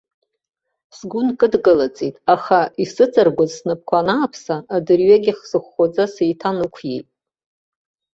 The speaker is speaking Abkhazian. Сгәы нкыдгылаӡеит, аха исыҵаргәаз снапқәа анааԥса, адырҩегьх сыхәхәаӡа сеиҭанықәиеит.